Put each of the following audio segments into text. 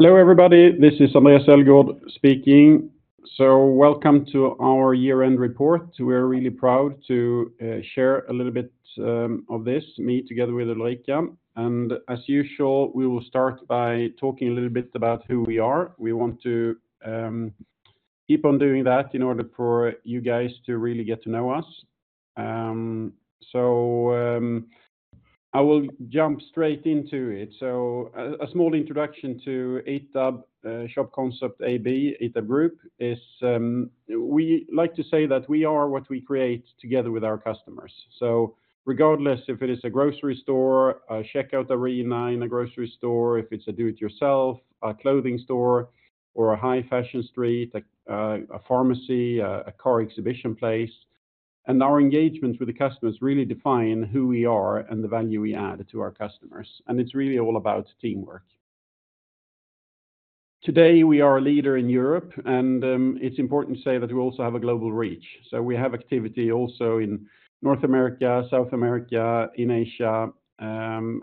Hello, everybody. This is Andréas Elgaard speaking. So welcome to our year-end report. We're really proud to share a little bit of this, me together with Ulrika. And as usual, we will start by talking a little bit about who we are. We want to keep on doing that in order for you guys to really get to know us. So I will jump straight into it. So a small introduction to ITAB Shop Concept AB, ITAB Group, is we like to say that we are what we create together with our customers. So regardless if it is a grocery store, a checkout arena in a grocery store, if it's a do-it-yourself, a clothing store, or a high-fashion street, a pharmacy, a car exhibition place, and our engagement with the customers really define who we are and the value we add to our customers, and it's really all about teamwork. Today, we are a leader in Europe, and it's important to say that we also have a global reach. So we have activity also in North America, South America, in Asia, and,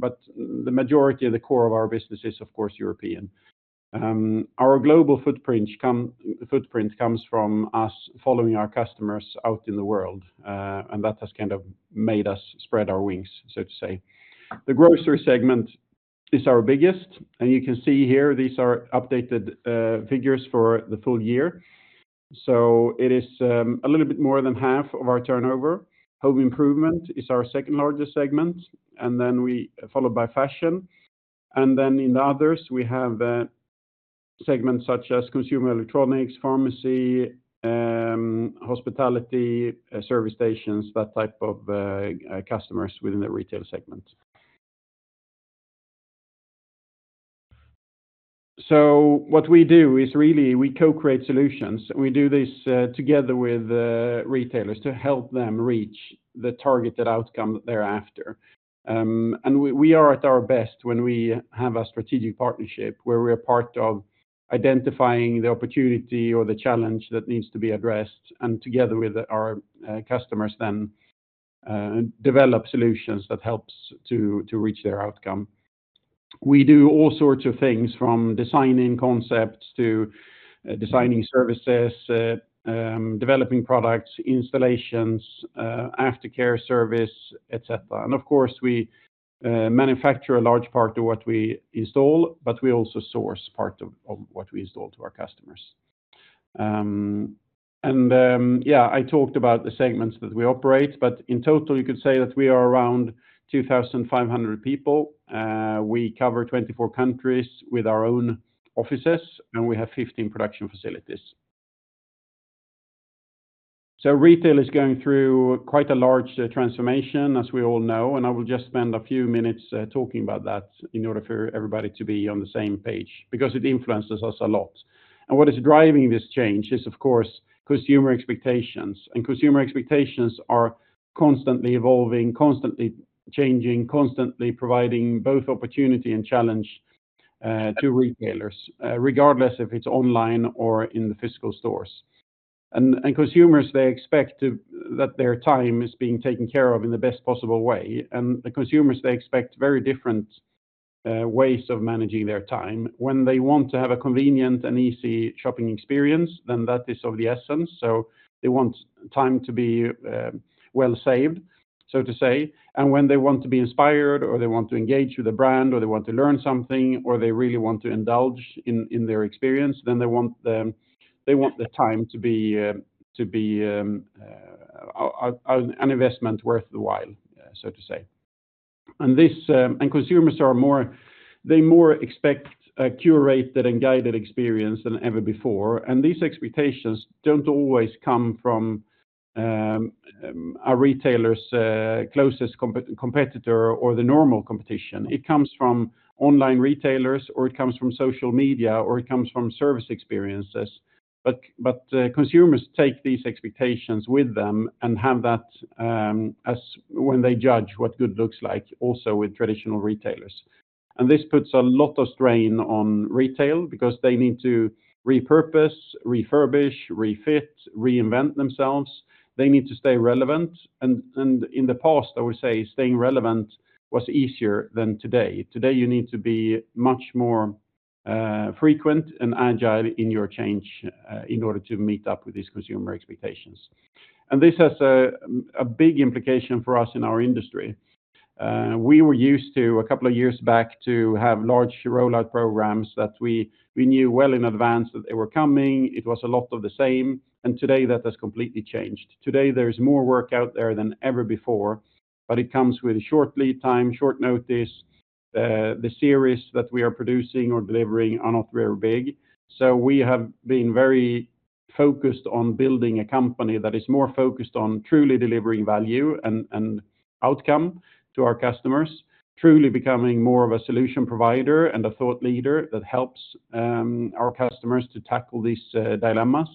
but the majority of the core of our business is, of course, European. Our global footprint comes from us following our customers out in the world, and that has kind of made us spread our wings, so to say. The grocery segment is our biggest, and you can see here, these are updated figures for the full year. So it is a little bit more than half of our turnover. Home improvement is our second largest segment, and then we followed by fashion. And then in the others, we have segments such as consumer electronics, pharmacy, hospitality, service stations, that type of customers within the retail segment. So what we do is really, we co-create solutions. We do this together with retailers to help them reach the targeted outcome they're after. And we are at our best when we have a strategic partnership, where we are part of identifying the opportunity or the challenge that needs to be addressed, and together with our customers, then develop solutions that helps to reach their outcome. We do all sorts of things, from designing concepts to designing services, developing products, installations, aftercare service, et cetera. And of course, we manufacture a large part of what we install, but we also source part of what we install to our customers. I talked about the segments that we operate, but in total, you could say that we are around 2,500 people. We cover 24 countries with our own offices, and we have 15 production facilities. So retail is going through quite a large transformation, as we all know, and I will just spend a few minutes talking about that in order for everybody to be on the same page, because it influences us a lot. And what is driving this change is, of course, consumer expectations. Consumer expectations are constantly evolving, constantly changing, constantly providing both opportunity and challenge to retailers, regardless if it's online or in the physical stores. And consumers, they expect that their time is being taken care of in the best possible way, and the consumers, they expect very different ways of managing their time. When they want to have a convenient and easy shopping experience, then that is of the essence. So they want time to be well saved, so to say. And when they want to be inspired, or they want to engage with the brand, or they want to learn something, or they really want to indulge in their experience, then they want the time to be an investment worth the while, so to say. Consumers are more, they more expect a curated and guided experience than ever before, and these expectations don't always come from a retailer's closest competitor or the normal competition. It comes from online retailers, or it comes from social media, or it comes from service experiences. But consumers take these expectations with them and have that as when they judge what good looks like, also with traditional retailers. And this puts a lot of strain on retail because they need to repurpose, refurbish, refit, reinvent themselves. They need to stay relevant, and in the past, I would say staying relevant was easier than today. Today, you need to be much more frequent and agile in your change in order to meet up with these consumer expectations. And this has a big implication for us in our industry. We were used to, a couple of years back, to have large rollout programs that we knew well in advance that they were coming. It was a lot of the same, and today, that has completely changed. Today, there's more work out there than ever before, but it comes with short lead time, short notice. The series that we are producing or delivering are not very big. So we have been very focused on building a company that is more focused on truly delivering value and outcome to our customers, truly becoming more of a solution provider and a thought leader that helps our customers to tackle these dilemmas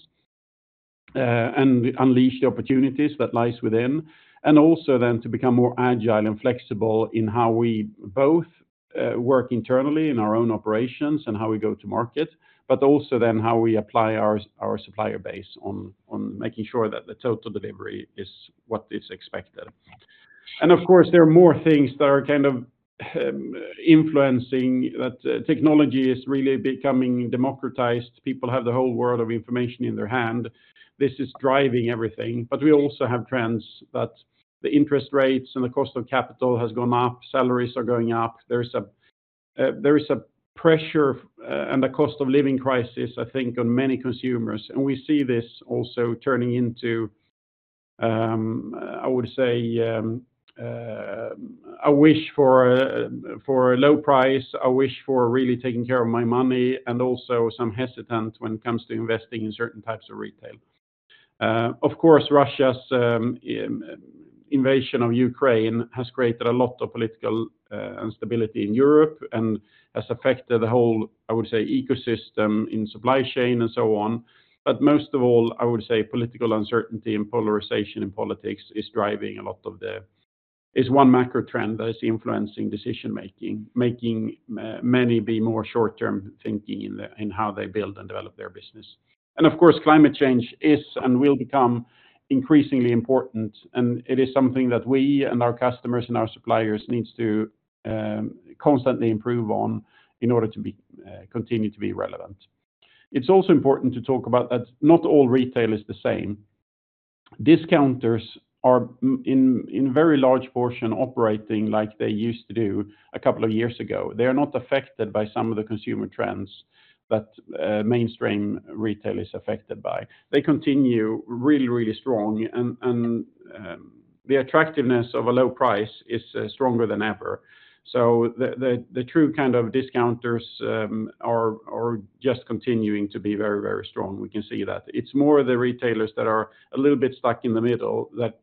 and unleash the opportunities that lies within, and also then to become more agile and flexible in how we both work internally in our own operations and how we go to market, but also then how we apply our supplier base on making sure that the total delivery is what is expected. And of course, there are more things that are kind of influencing, that technology is really becoming democratized. People have the whole world of information in their hand. This is driving everything. But we also have trends that the interest rates and the cost of capital has gone up, salaries are going up. There is a pressure and the cost of living crisis, I think, on many consumers, and we see this also turning into, I would say, a wish for a low price, a wish for really taking care of my money, and also some hesitant when it comes to investing in certain types of retail. Of course, Russia's invasion of Ukraine has created a lot of political instability in Europe and has affected the whole, I would say, ecosystem in supply chain and so on. But most of all, I would say political uncertainty and polarization in politics is one macro trend that is influencing decision making, making many be more short-term thinking in the, in how they build and develop their business. And of course, climate change is and will become increasingly important, and it is something that we and our customers and our suppliers needs to constantly improve on in order to continue to be relevant. It's also important to talk about that not all retail is the same. Discounters are in very large portion operating like they used to do a couple of years ago. They are not affected by some of the consumer trends that mainstream retail is affected by. They continue really, really strong, and the attractiveness of a low price is stronger than ever. So the true kind of discounters are just continuing to be very, very strong. We can see that. It's more the retailers that are a little bit stuck in the middle, that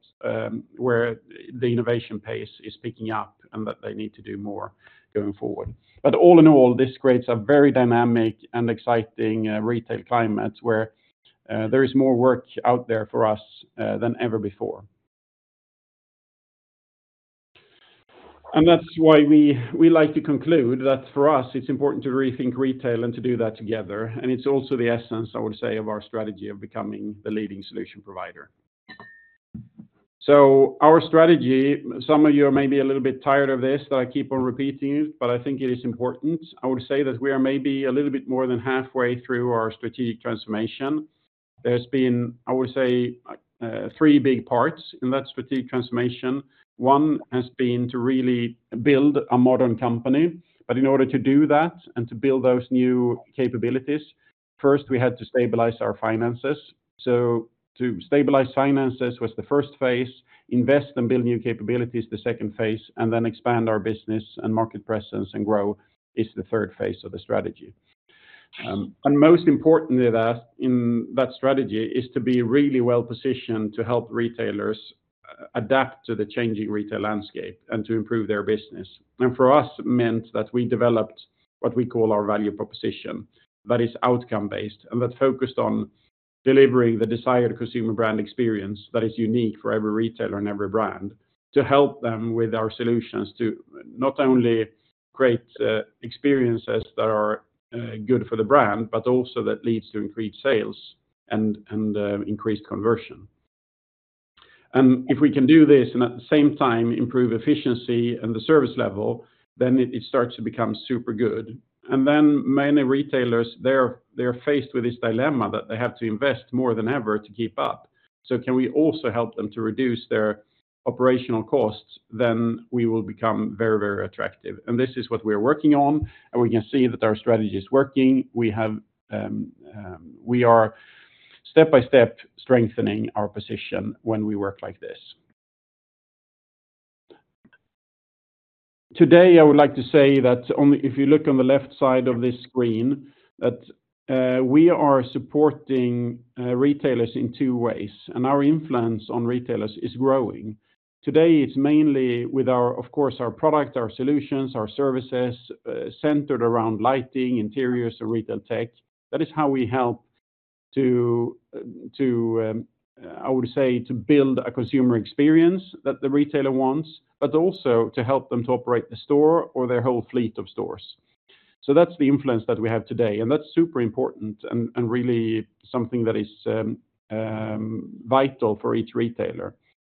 where the innovation pace is picking up and that they need to do more going forward. But all in all, this creates a very dynamic and exciting retail climate where there is more work out there for us than ever before. And that's why we like to conclude that for us, it's important to rethink retail and to do that together. And it's also the essence, I would say, of our strategy of becoming the leading solution provider. So our strategy, some of you are maybe a little bit tired of this, that I keep on repeating it, but I think it is important. I would say that we are maybe a little bit more than halfway through our strategic transformation. There's been, I would say, three big parts in that strategic transformation. One has been to really build a modern company. But in order to do that and to build those new capabilities, first, we had to stabilize our finances. So to stabilize finances was the first phase, invest and build new capabilities, the second phase, and then expand our business and market presence and grow is the third phase of the strategy. And most importantly, that, in that strategy, is to be really well-positioned to help retailers adapt to the changing retail landscape and to improve their business. And for us, it meant that we developed what we call our value proposition, that is outcome-based, and that focused on delivering the desired consumer brand experience that is unique for every retailer and every brand, to help them with our solutions to not only create experiences that are good for the brand, but also that leads to increased sales and increased conversion. And if we can do this and at the same time improve efficiency and the service level, then it starts to become super good. And then many retailers, they're faced with this dilemma that they have to invest more than ever to keep up. So can we also help them to reduce their operational costs, then we will become very, very attractive. And this is what we're working on, and we can see that our strategy is working. We are step by step strengthening our position when we work like this. Today, I would like to say that on the, if you look on the left side of this screen, that we are supporting retailers in two ways, and our influence on retailers is growing. Today, it's mainly with our, of course, our product, our solutions, our services centered around lighting, interiors, and retail tech. That is how we help to, I would say, to build a consumer experience that the retailer wants, but also to help them to operate the store or their whole fleet of stores. So that's the influence that we have today, and that's super important and really something that is vital for each retailer.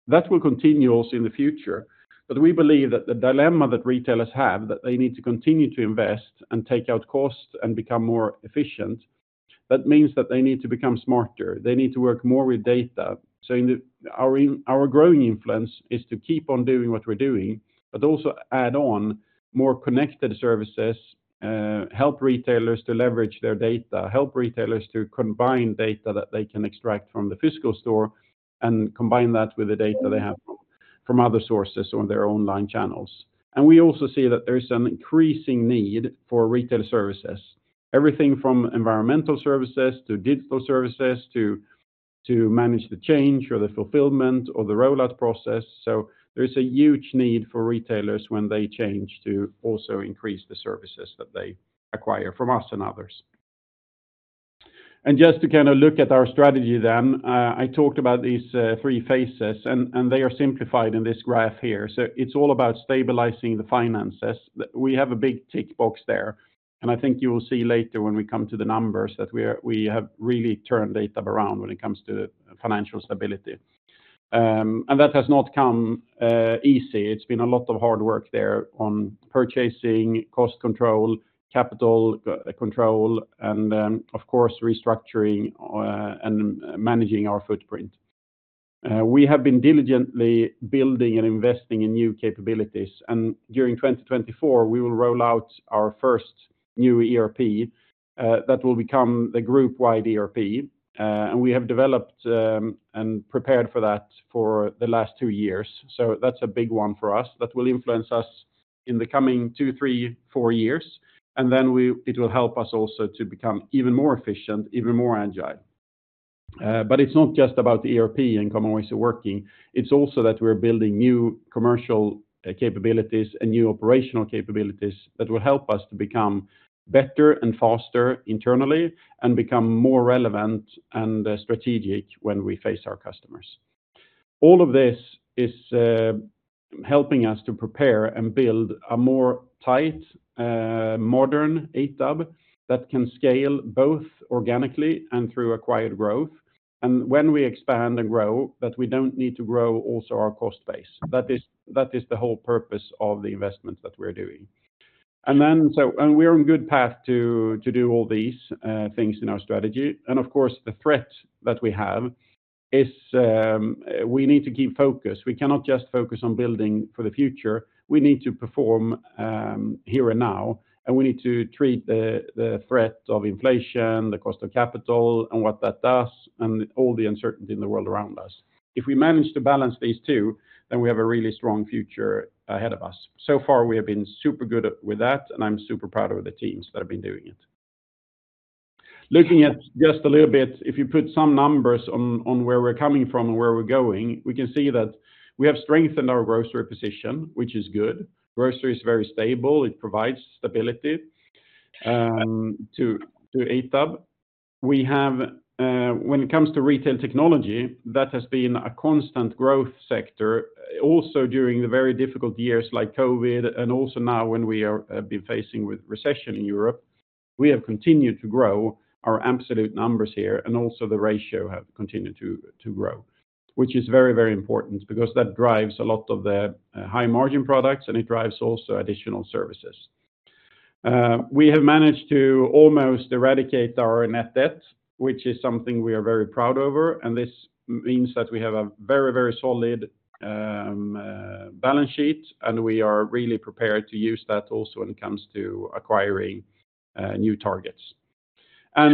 That will continue also in the future. But we believe that the dilemma that retailers have, that they need to continue to invest and take out costs and become more efficient, that means that they need to become smarter. They need to work more with data. So our growing influence is to keep on doing what we're doing, but also add on more connected services, help retailers to leverage their data, help retailers to combine data that they can extract from the physical store, and combine that with the data they have from other sources on their online channels. And we also see that there is an increasing need for retail services. Everything from environmental services to digital services, to manage the change or the fulfillment or the rollout process. So there's a huge need for retailers when they change to also increase the services that they acquire from us and others. And just to kind of look at our strategy then, I talked about these three phases, and they are simplified in this graph here. So it's all about stabilizing the finances. We have a big tick box there, and I think you will see later when we come to the numbers that we have really turned ITAB around when it comes to financial stability. And that has not come easy. It's been a lot of hard work there on purchasing, cost control, capital control, and, of course, restructuring and managing our footprint. We have been diligently building and investing in new capabilities, and during 2024, we will roll out our first new ERP that will become the group-wide ERP. We have developed and prepared for that for the last two years. So that's a big one for us. That will influence us in the coming two, three, four years, and then it will help us also to become even more efficient, even more agile. But it's not just about the ERP and common ways of working; it's also that we're building new commercial capabilities and new operational capabilities that will help us to become better and faster internally and become more relevant and strategic when we face our customers. All of this is helping us to prepare and build a more tight modern ITAB that can scale both organically and through acquired growth. And when we expand and grow, that we don't need to grow also our cost base. That is the whole purpose of the investment that we're doing. We are on good path to do all these things in our strategy. And of course, the threat that we have is we need to keep focused. We cannot just focus on building for the future. We need to perform here and now, and we need to treat the threat of inflation, the cost of capital, and what that does, and all the uncertainty in the world around us. If we manage to balance these two, then we have a really strong future ahead of us. So far, we have been super good with that, and I'm super proud of the teams that have been doing it. Looking at just a little bit, if you put some numbers on where we're coming from and where we're going, we can see that we have strengthened our grocery position, which is good. Grocery is very stable. It provides stability to ITAB. We have, when it comes to retail technology, that has been a constant growth sector, also during the very difficult years like COVID, and also now when we have been facing with recession in Europe, we have continued to grow our absolute numbers here, and also the ratio have continued to grow, which is very, very important because that drives a lot of the high-margin products, and it drives also additional services. We have managed to almost eradicate our Net Debt, which is something we are very proud over, and this means that we have a very, very solid balance sheet, and we are really prepared to use that also when it comes to acquiring new targets. At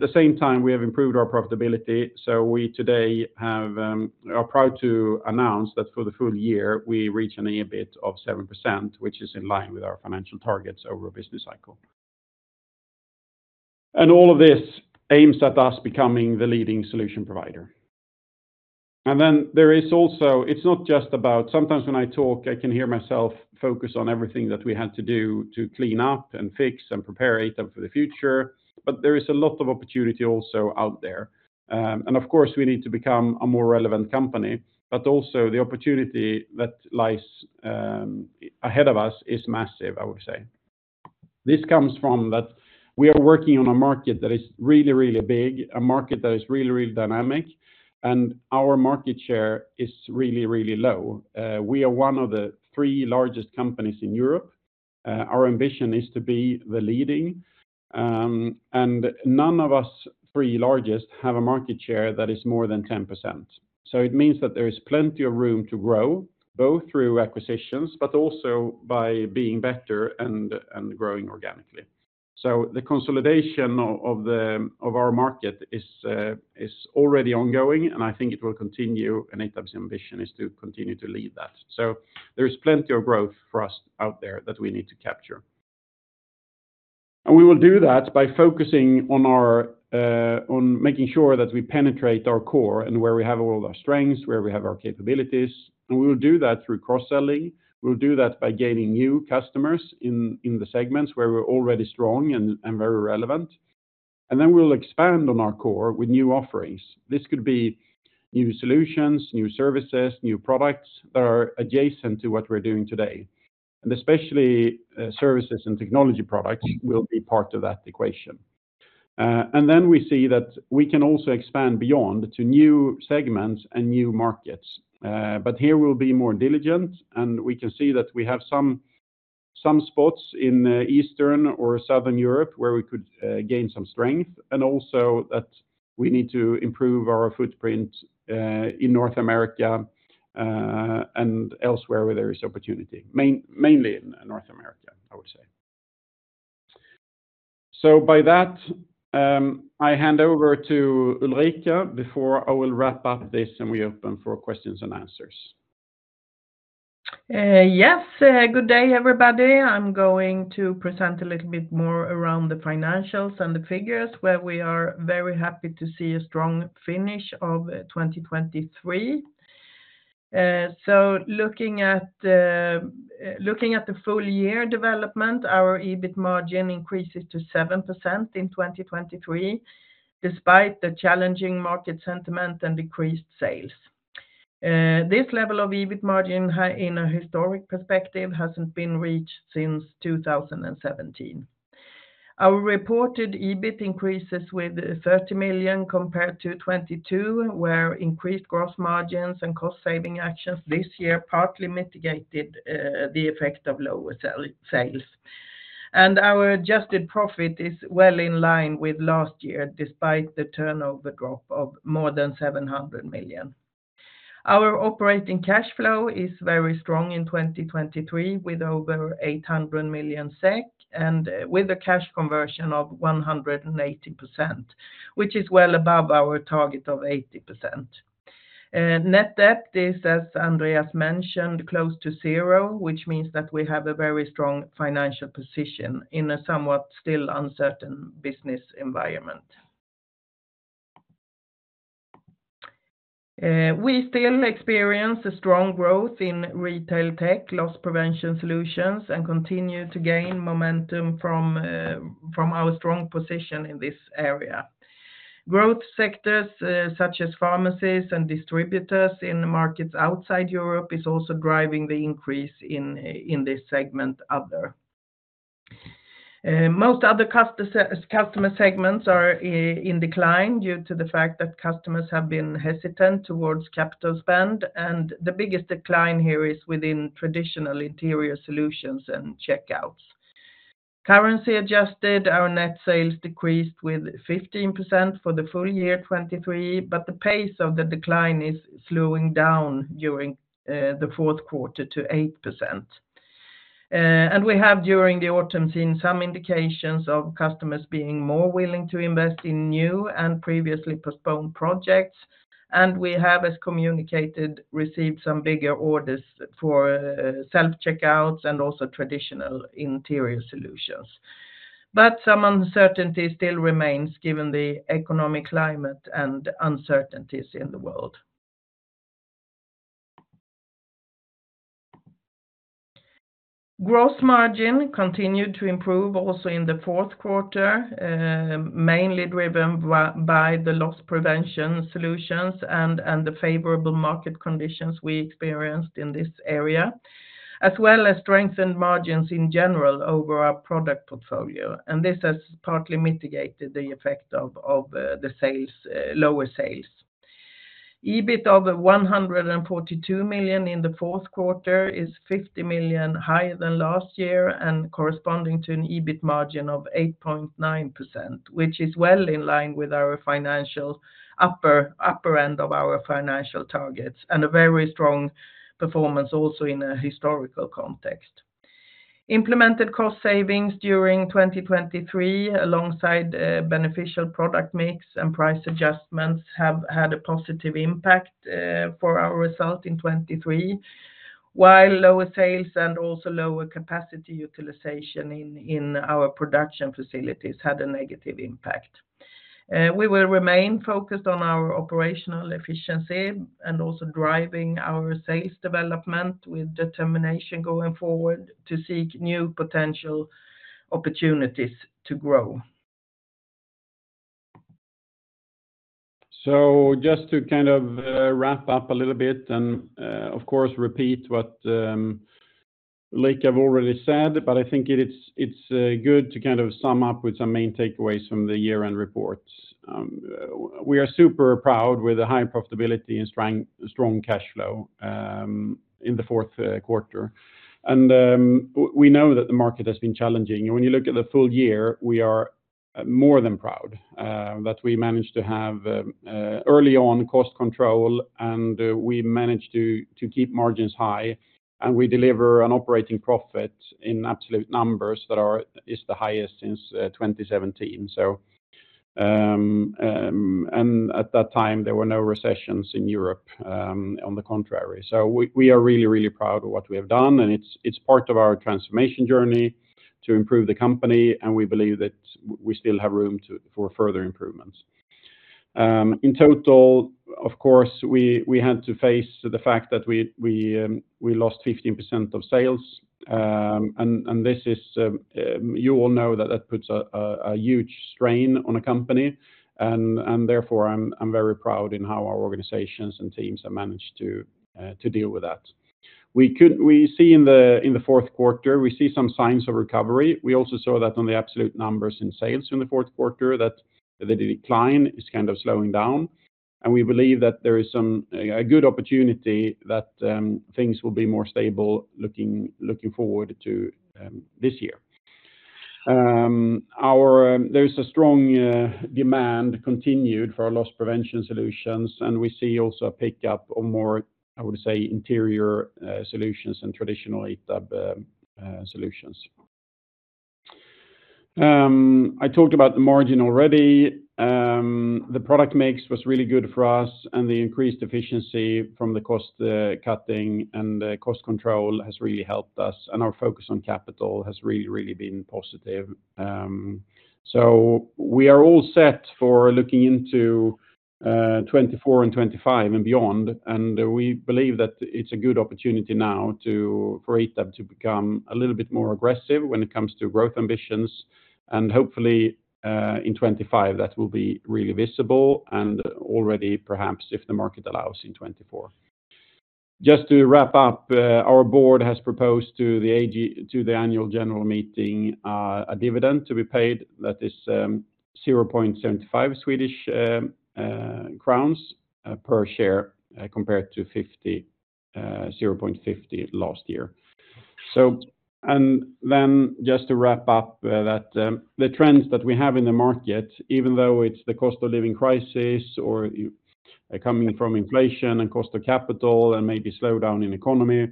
the same time, we have improved our profitability. So today we are proud to announce that for the full year, we reach an EBIT of 7%, which is in line with our financial targets over a business cycle. All of this aims at us becoming the leading solution provider. Then there is also... Sometimes when I talk, I can hear myself focus on everything that we had to do to clean up and fix and prepare ITAB for the future, but there is a lot of opportunity also out there. And of course, we need to become a more relevant company, but also the opportunity that lies ahead of us is massive, I would say. This comes from that we are working on a market that is really, really big, a market that is really, really dynamic, and our market share is really, really low. We are one of the three largest companies in Europe. Our ambition is to be the leading, and none of the three largest have a market share that is more than 10%. So it means that there is plenty of room to grow, both through acquisitions, but also by being better and growing organically. So the consolidation of our market is already ongoing, and I think it will continue, and ITAB's ambition is to continue to lead that. So there is plenty of growth for us out there that we need to capture. And we will do that by focusing on making sure that we penetrate our core and where we have all of our strengths, where we have our capabilities, and we will do that through cross-selling. We'll do that by gaining new customers in the segments where we're already strong and very relevant. And then we'll expand on our core with new offerings. This could be new solutions, new services, new products that are adjacent to what we're doing today, and especially, services and technology products will be part of that equation. And then we see that we can also expand beyond to new segments and new markets. But here we'll be more diligent, and we can see that we have some spots in Eastern or Southern Europe where we could gain some strength, and also that we need to improve our footprint in North America and elsewhere, where there is opportunity. Mainly in North America, I would say. So by that, I hand over to Ulrika before I will wrap up this, and we open for questions and answers. Yes, good day, everybody. I'm going to present a little bit more around the financials and the figures, where we are very happy to see a strong finish of 2023. So looking at the full year development, our EBIT margin increases to 7% in 2023, despite the challenging market sentiment and decreased sales. This level of EBIT margin, high in a historical perspective, hasn't been reached since 2017. Our reported EBIT increases with 30 million compared to 2022, where increased gross margins and cost-saving actions this year partly mitigated the effect of lower sales. And our adjusted profit is well in line with last year, despite the turnover drop of more than 700 million. Our operating cash flow is very strong in 2023, with over 800 million SEK, and with a cash conversion of 180%, which is well above our target of 80%. Net debt is, as Andreas mentioned, close to zero, which means that we have a very strong financial position in a somewhat still uncertain business environment. We still experience a strong growth in retail tech, loss prevention solutions, and continue to gain momentum from our strong position in this area. Growth sectors, such as pharmacies and distributors in the markets outside Europe, is also driving the increase in this segment Other. Most other customer segments are in decline due to the fact that customers have been hesitant towards capital spend, and the biggest decline here is within traditional interior solutions and checkouts. Currency adjusted, our net sales decreased with 15% for the full year 2023, but the pace of the decline is slowing down during the fourth quarter to 8%. and we have, during the autumn, seen some indications of customers being more willing to invest in new and previously postponed projects, and we have, as communicated, received some bigger orders for self-checkouts and also traditional interior solutions. But some uncertainty still remains, given the economic climate and uncertainties in the world. Gross margin continued to improve also in the fourth quarter, mainly driven by the loss prevention solutions and the favorable market conditions we experienced in this area, as well as strengthened margins in general over our product portfolio, and this has partly mitigated the effect of the lower sales. EBIT of 142 million in the fourth quarter is 50 million higher than last year and corresponding to an EBIT margin of 8.9%, which is well in line with our financial upper end of our financial targets, and a very strong performance also in a historical context. Implemented cost savings during 2023, alongside beneficial product mix and price adjustments, have had a positive impact for our result in 2023, while lower sales and also lower capacity utilization in our production facilities had a negative impact. We will remain focused on our operational efficiency and also driving our sales development with determination going forward to seek new potential opportunities to grow. So just to kind of wrap up a little bit and, of course, repeat what Ulrika have already said, but I think it is, it's good to kind of sum up with some main takeaways from the year-end reports. We are super proud with the high profitability and strong, strong cash flow in the fourth quarter. We know that the market has been challenging. When you look at the full year, we are more than proud that we managed to have early on cost control, and we managed to keep margins high, and we deliver an operating profit in absolute numbers that are, is the highest since 2017. So, and at that time, there were no recessions in Europe, on the contrary. So we are really, really proud of what we have done, and it's part of our transformation journey to improve the company, and we believe that we still have room for further improvements. In total, of course, we had to face the fact that we lost 15% of sales. This is... You all know that that puts a huge strain on a company, and therefore, I'm very proud in how our organizations and teams have managed to deal with that. We see in the fourth quarter, we see some signs of recovery. We also saw that on the absolute numbers in sales from the fourth quarter, that the decline is kind of slowing down, and we believe that there is some, a good opportunity that things will be more stable looking forward to this year. There is a strong demand continued for our loss prevention solutions, and we see also a pickup on more, I would say, interior solutions and traditional ITAB solutions. I talked about the margin already. The product mix was really good for us, and the increased efficiency from the cost cutting and the cost control has really helped us, and our focus on capital has really, really been positive. So we are all set for looking into 2024 and 2025 and beyond, and we believe that it's a good opportunity now to for ITAB to become a little bit more aggressive when it comes to growth ambitions. Hopefully, in 2025, that will be really visible and already, perhaps, if the market allows, in 2024. Just to wrap up, our board has proposed to the Annual General Meeting a dividend to be paid that is 0.75 Swedish crowns per share, compared to 0.50 SEK last year. And then just to wrap up, that, the trends that we have in the market, even though it's the cost of living crisis or coming from inflation and cost of capital and maybe slowdown in economy,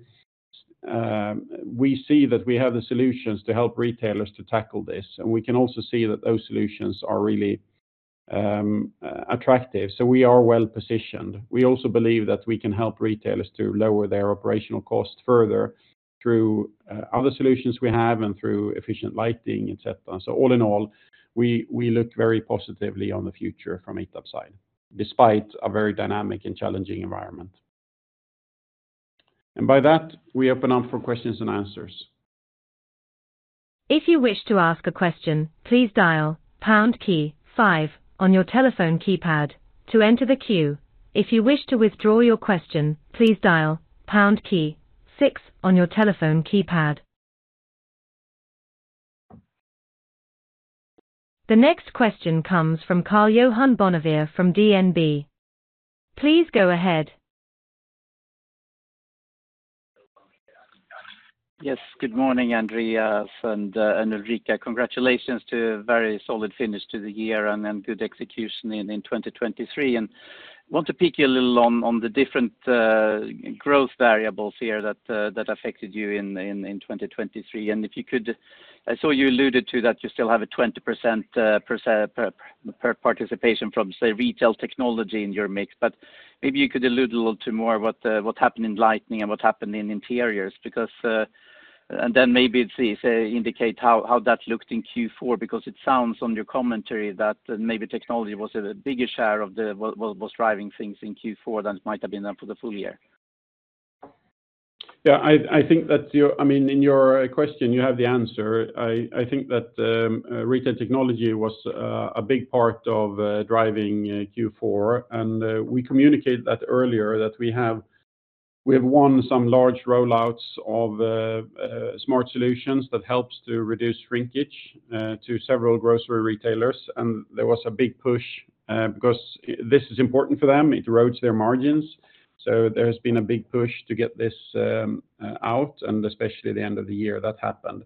we see that we have the solutions to help retailers to tackle this, and we can also see that those solutions are really, attractive, so we are well-positioned. We also believe that we can help retailers to lower their operational costs further through, other solutions we have and through efficient lighting, et cetera. So all in all, we, we look very positively on the future from ITAB side, despite a very dynamic and challenging environment. And by that, we open up for questions and answers. If you wish to ask a question, please dial pound key five on your telephone keypad to enter the queue. If you wish to withdraw your question, please dial pound key six on your telephone keypad. The next question comes from Karl-Johan Bonnevier from DNB. Please go ahead. Yes, good morning, Andréas and Ulrika. Congratulations to a very solid finish to the year and good execution in 2023. And I want to pick you a little on the different growth variables here that affected you in 2023. And if you could, I saw you alluded to that you still have a 20% participation from, say, retail technology in your mix, but maybe you could allude a little to more what happened in lighting and what happened in interiors, because and then maybe say indicate how that looked in Q4, because it sounds on your commentary that maybe technology was a bigger share of what was driving things in Q4 than it might have been then for the full year. Yeah, I think that's your... I mean, in your question, you have the answer. I think that retail technology was a big part of driving Q4, and we communicated that earlier, that we have won some large rollouts of smart solutions that helps to reduce shrinkage to several grocery retailers. And there was a big push because this is important for them. It erodes their margins, so there has been a big push to get this out, and especially at the end of the year, that happened.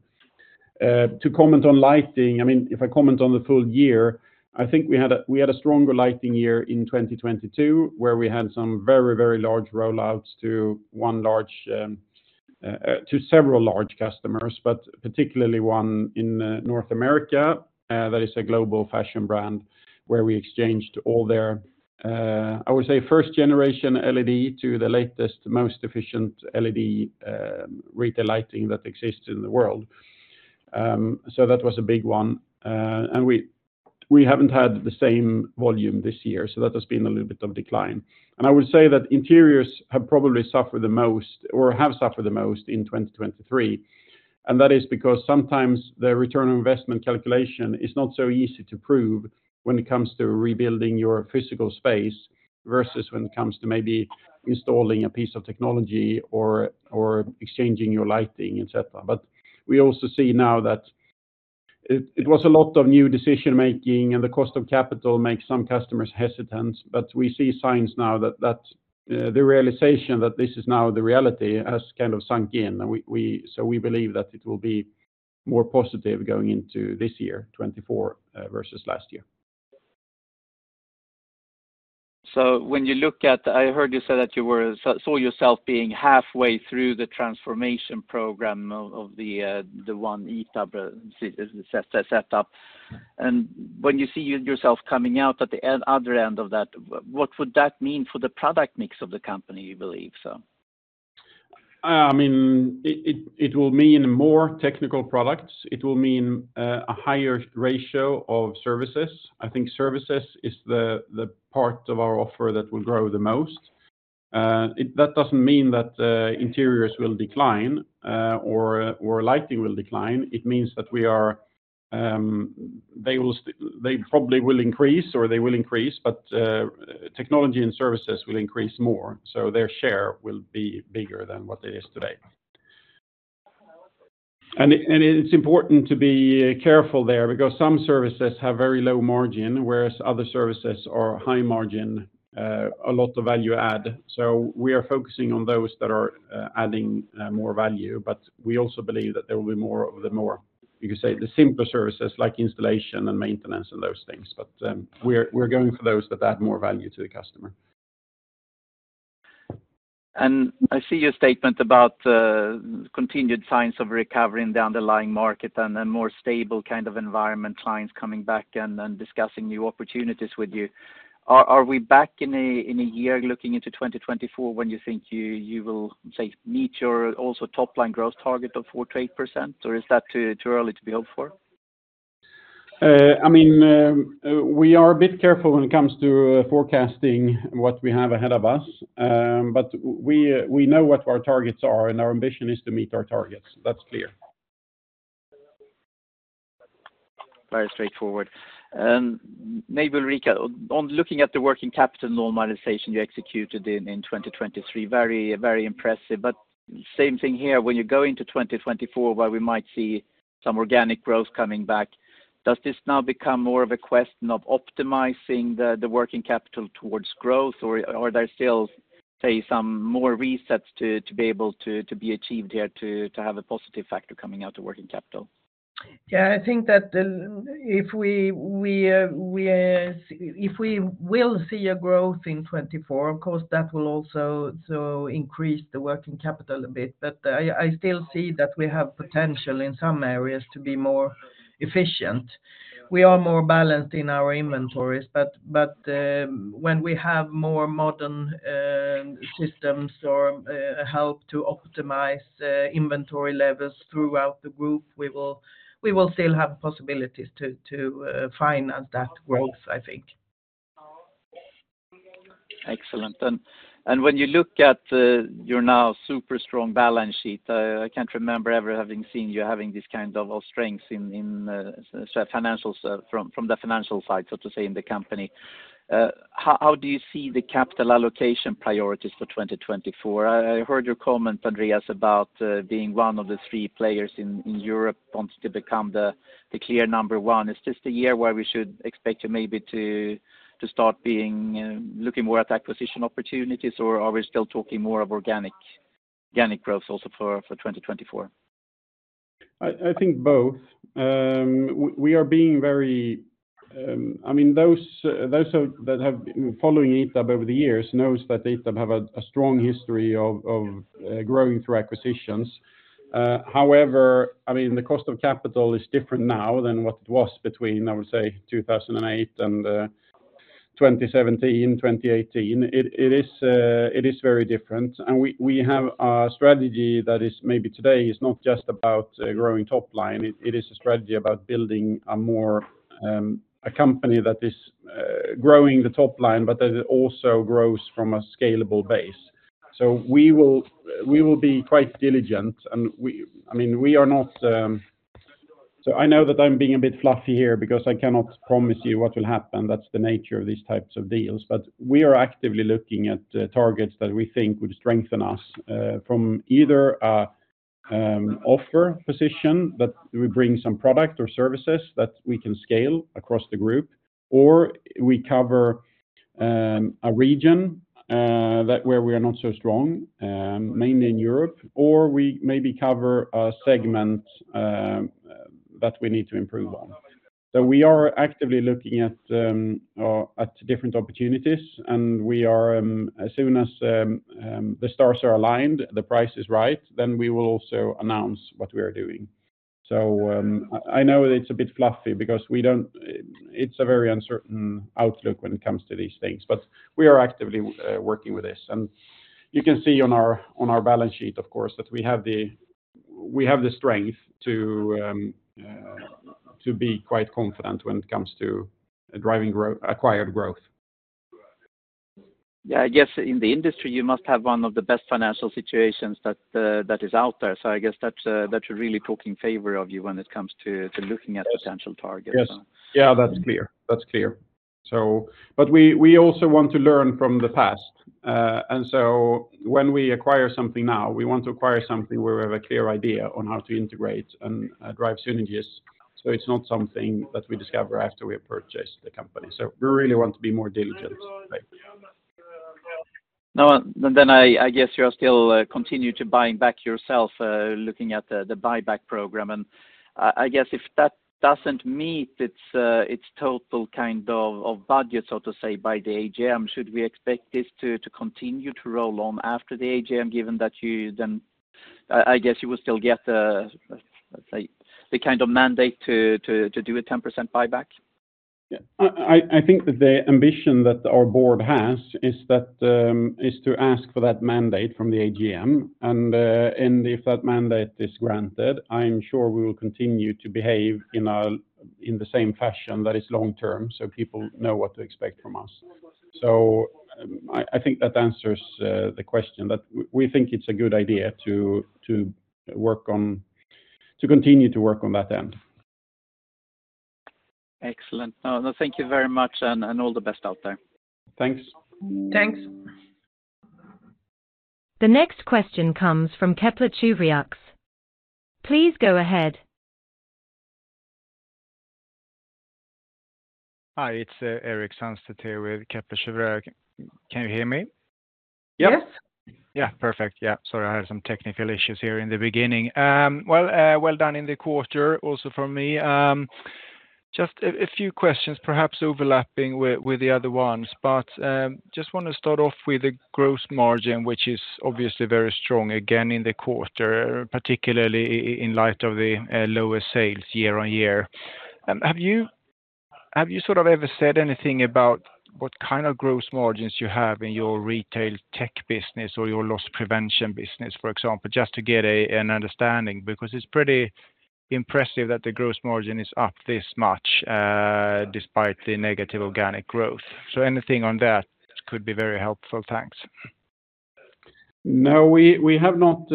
To comment on lighting, I mean, if I comment on the full year, I think we had a stronger lighting year in 2022, where we had some very, very large rollouts to several large customers, but particularly one in North America that is a global fashion brand, where we exchanged all their I would say, first generation LED to the latest, most efficient LED retail lighting that exists in the world. So that was a big one. And we haven't had the same volume this year, so that has been a little bit of decline. I would say that interiors have probably suffered the most or have suffered the most in 2023, and that is because sometimes the return on investment calculation is not so easy to prove when it comes to rebuilding your physical space, versus when it comes to maybe installing a piece of technology or exchanging your lighting, et cetera. But we also see now that it was a lot of new decision-making, and the cost of capital makes some customers hesitant, but we see signs now that the realization that this is now the reality has kind of sunk in. So we believe that it will be more positive going into this year, 2024, versus last year. When you look at... I heard you say that you saw yourself being halfway through the transformation program of the One ITAB setup. And when you see yourself coming out at the other end of that, what would that mean for the product mix of the company, you believe so? I mean, it will mean more technical products. It will mean a higher ratio of services. I think services is the part of our offer that will grow the most. That doesn't mean that interiors will decline or lighting will decline. It means that they will still, they probably will increase or they will increase, but technology and services will increase more, so their share will be bigger than what it is today. And it's important to be careful there because some services have very low margin, whereas other services are high margin, a lot of value add. So we are focusing on those that are adding more value, but we also believe that there will be more of the more, you could say, the simpler services, like installation and maintenance and those things. But we're going for those that add more value to the customer.... I see your statement about continued signs of recovery in the underlying market and a more stable kind of environment, clients coming back and discussing new opportunities with you. Are we back in a year looking into 2024 when you think you will say meet your also top line growth target of 4%-8%? Or is that too early to be hoped for? I mean, we are a bit careful when it comes to forecasting what we have ahead of us. But we know what our targets are, and our ambition is to meet our targets. That's clear. Very straightforward. Maybe Ulrika, on looking at the working capital normalization you executed in 2023, very, very impressive. But same thing here, when you go into 2024, where we might see some organic growth coming back, does this now become more of a question of optimizing the working capital towards growth, or are there still, say, some more resets to be able to be achieved here to have a positive factor coming out of working capital? Yeah, I think that, if we will see a growth in 2024, of course, that will also so increase the working capital a bit. But I still see that we have potential in some areas to be more efficient. We are more balanced in our inventories, but when we have more modern systems or help to optimize inventory levels throughout the group, we will still have possibilities to finance that growth, I think. Excellent. And when you look at your now super strong balance sheet, I can't remember ever having seen you having this kind of strength in, in so financials from, from the financial side, so to say, in the company. How do you see the capital allocation priorities for 2024? I heard your comment, Andréas, about being one of the three players in Europe, wants to become the clear number one. Is this the year where we should expect you maybe to start being looking more at acquisition opportunities, or are we still talking more of organic growth also for 2024? I think both. We are being very... I mean, those that have been following ITAB over the years knows that ITAB have a strong history of growing through acquisitions. However, I mean, the cost of capital is different now than what it was between, I would say, 2008 and 2017, 2018. It is very different. And we have a strategy that is maybe today is not just about growing top line. It is a strategy about building a more a company that is growing the top line, but that it also grows from a scalable base. So we will be quite diligent, and we I mean, we are not... So I know that I'm being a bit fluffy here because I cannot promise you what will happen. That's the nature of these types of deals. But we are actively looking at targets that we think would strengthen us from either a offer position, that we bring some product or services that we can scale across the group, or we cover a region where we are not so strong mainly in Europe, or we maybe cover a segment that we need to improve on. So we are actively looking at different opportunities, and we are as soon as the stars are aligned, the price is right, then we will also announce what we are doing. So, I know it's a bit fluffy because it's a very uncertain outlook when it comes to these things, but we are actively working with this. And you can see on our balance sheet, of course, that we have the strength to be quite confident when it comes to driving acquired growth. Yeah, I guess in the industry, you must have one of the best financial situations that is out there. So I guess that's should really talk in favor of you when it comes to looking at- Yes -potential targets. Yes. Yeah, that's clear. That's clear. So but we, we also want to learn from the past. And so when we acquire something now, we want to acquire something where we have a clear idea on how to integrate and, drive synergies. So it's not something that we discover after we have purchased the company. So we really want to be more diligent. Now, and then I guess you are still continue to buying back yourself, looking at the buyback program. And I guess if that doesn't meet its total kind of budget, so to say, by the AGM, should we expect this to continue to roll on after the AGM, given that you then I guess you will still get, let's say, the kind of mandate to do a 10% buyback? Yeah. I think that the ambition that our board has is that is to ask for that mandate from the AGM, and if that mandate is granted, I'm sure we will continue to behave in the same fashion that is long term, so people know what to expect from us. So I think that answers the question, but we think it's a good idea to continue to work on that end. Excellent. Thank you very much, and all the best out there. Thanks. Thanks. The next question comes from Kepler Cheuvreux. Please go ahead. Hi, it's Erik Sandstedt here with Kepler Cheuvreux. Can you hear me? Yep. Yes. Yeah, perfect. Yeah, sorry, I had some technical issues here in the beginning. Well, well done in the quarter also from me. Just a few questions, perhaps overlapping with the other ones, but just want to start off with the gross margin, which is obviously very strong again in the quarter, particularly in light of the lower sales year-on-year. Have you sort of ever said anything about what kind of gross margins you have in your retail tech business or your loss prevention business, for example, just to get an understanding? Because it's pretty impressive that the gross margin is up this much, despite the negative organic growth. So anything on that could be very helpful. Thanks. No, we, we have not,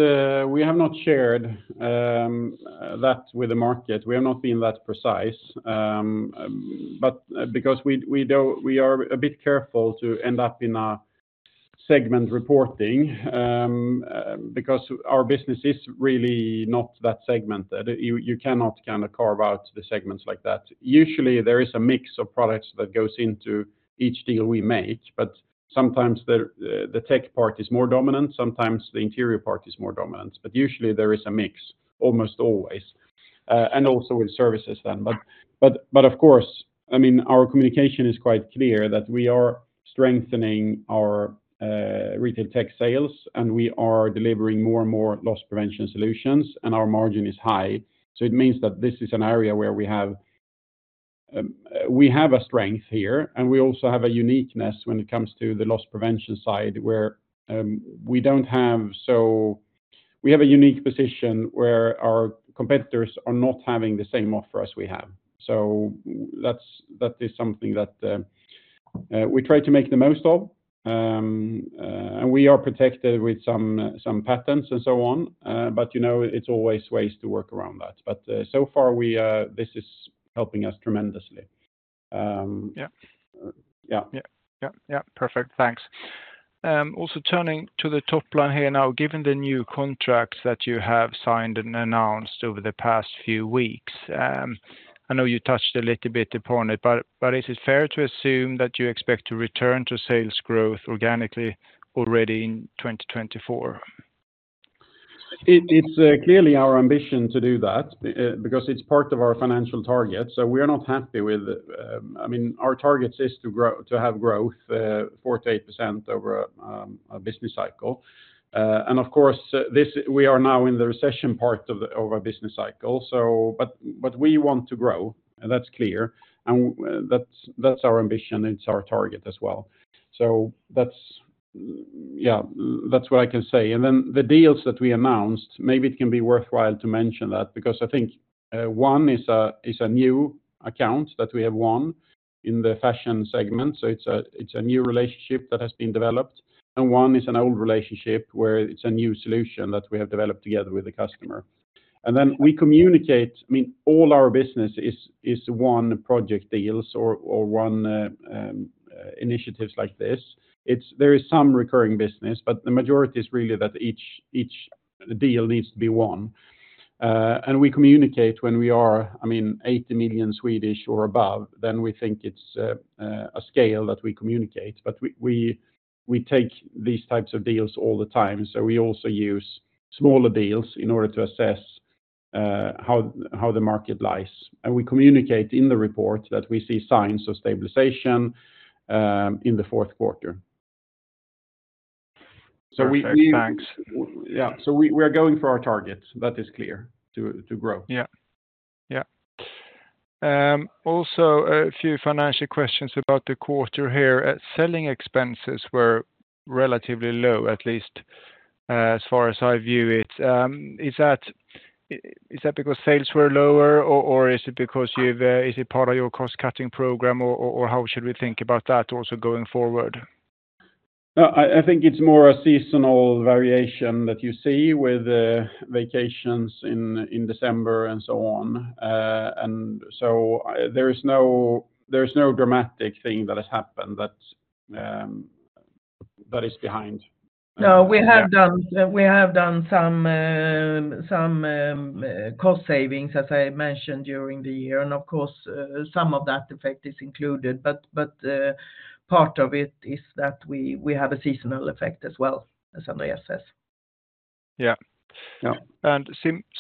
we have not shared that with the market. We have not been that precise. But because we, we are a bit careful to end up in a segment reporting, because our business is really not that segmented. You, you cannot kind of carve out the segments like that. Usually, there is a mix of products that goes into each deal we make, but sometimes the tech part is more dominant, sometimes the interior part is more dominant, but usually there is a mix, almost always. And also with services then. But, but, but of course, I mean, our communication is quite clear that we are strengthening our retail tech sales, and we are delivering more and more loss prevention solutions, and our margin is high. So it means that this is an area where we have, we have a strength here, and we also have a uniqueness when it comes to the loss prevention side, where, we don't have... So we have a unique position where our competitors are not having the same offer as we have. So that's, that is something that, we try to make the most of. And we are protected with some, some patents and so on. But you know, it's always ways to work around that. But, so far, we, this is helping us tremendously. Yeah. Yeah. Yeah. Yeah, yeah. Perfect. Thanks. Also, turning to the top line here now, given the new contracts that you have signed and announced over the past few weeks, I know you touched a little bit upon it, but, but is it fair to assume that you expect to return to sales growth organically already in 2024? It's clearly our ambition to do that, because it's part of our financial target, so we are not happy with. I mean, our target is to grow—to have growth, four to eight percent over a business cycle. And of course, this, we are now in the recession part of our business cycle. So but we want to grow, and that's clear, and that's our ambition, it's our target as well. So that's, yeah, that's what I can say. And then the deals that we announced, maybe it can be worthwhile to mention that, because I think, one is a new account that we have won in the fashion segment, so it's a new relationship that has been developed, and one is an old relationship where it's a new solution that we have developed together with the customer. And then we communicate, I mean, all our business is one project deals or one initiatives like this. It's there is some recurring business, but the majority is really that each deal needs to be won. And we communicate when we are, I mean, 80 million or above, then we think it's a scale that we communicate. We take these types of deals all the time, so we also use smaller deals in order to assess how the market lies. We communicate in the report that we see signs of stabilization in the fourth quarter. We- Perfect. Thanks. Yeah, so we are going for our targets, that is clear, to grow. Yeah. Yeah. Also, a few financial questions about the quarter here. Selling expenses were relatively low, at least as far as I view it. Is that because sales were lower, or is it because you've, is it part of your cost-cutting program, or, or, or how should we think about that also going forward? I think it's more a seasonal variation that you see with vacations in December and so on. And so there is no dramatic thing that has happened that is behind. No, we have done some cost savings, as I mentioned, during the year, and of course, some of that effect is included. But, part of it is that we have a seasonal effect as well, as Andreas says. Yeah. Yeah.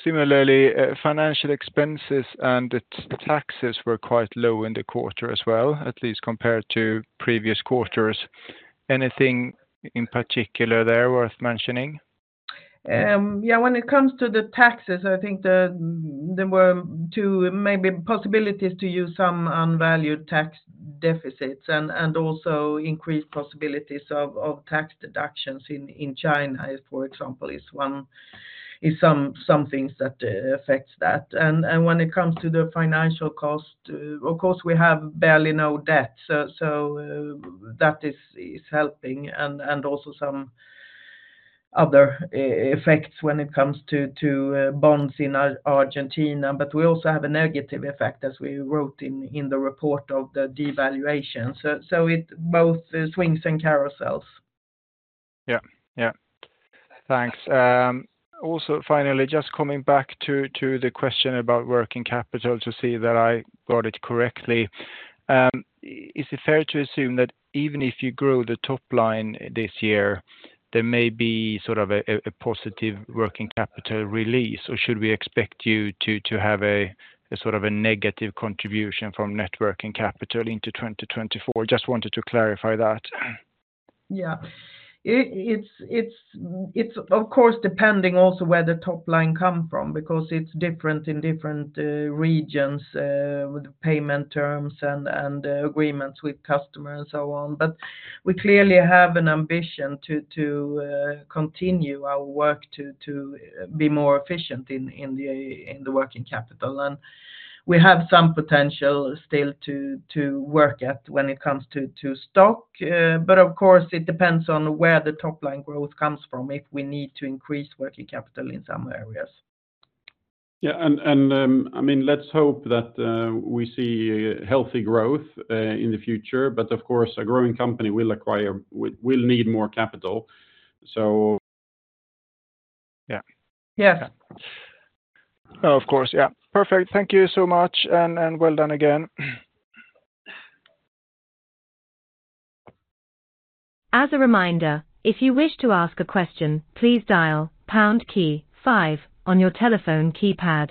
Similarly, financial expenses and the taxes were quite low in the quarter as well, at least compared to previous quarters. Anything in particular there worth mentioning? Yeah, when it comes to the taxes, I think there were two maybe possibilities to use some unvalued tax deficits and also increased possibilities of tax deductions in China, for example, is one, something that affects that. And when it comes to the financial cost, of course, we have barely no debt, so that is helping and also some other effects when it comes to bonds in Argentina. But we also have a negative effect, as we wrote in the report, of the devaluation. So it both swings and carousels. Yeah. Yeah. Thanks. Also, finally, just coming back to the question about working capital to see that I got it correctly. Is it fair to assume that even if you grow the top line this year, there may be sort of a positive working capital release, or should we expect you to have a sort of a negative contribution from net working capital into 2024? Just wanted to clarify that. Yeah. It's, of course, depending also where the top line come from, because it's different in different regions, with payment terms and agreements with customers and so on. But we clearly have an ambition to continue our work to be more efficient in the working capital. And we have some potential still to work at when it comes to stock. But of course, it depends on where the top line growth comes from, if we need to increase working capital in some areas. Yeah, and, and, I mean, let's hope that we see a healthy growth in the future, but of course, a growing company will acquire... will need more capital. So, yeah. Yes. Of course. Yeah. Perfect. Thank you so much, and, and well done again. As a reminder, if you wish to ask a question, please dial pound key five on your telephone keypad.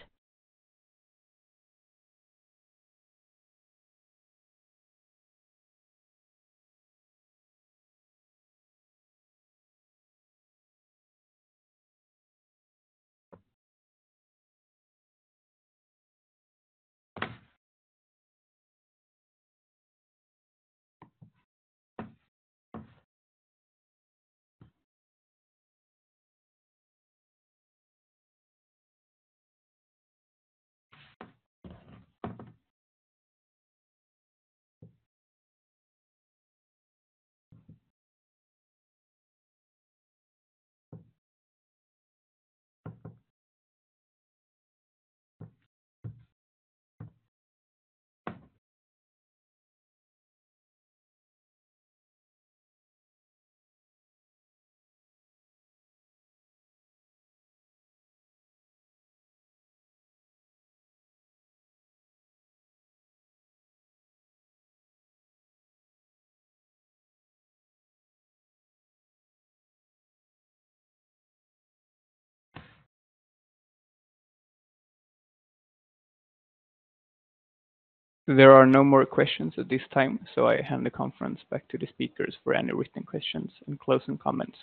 There are no more questions at this time, so I hand the conference back to the speakers for any written questions and closing comments.